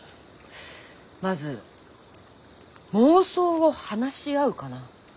まず妄想を話し合うかな。